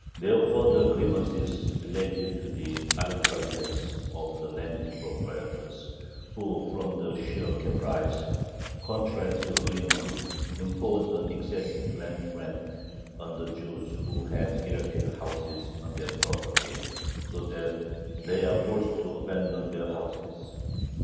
Their further grievances relate to the arbitrariness of the landed proprietors, who "from sheer caprice, contrary to agreement," impose an excessive land rent on the Jews who have erected houses on their property, so that they are forced to abandon their houses.